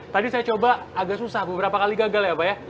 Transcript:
tadi saya coba agak susah beberapa kali gagal ya pak ya